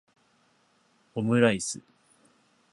オムライス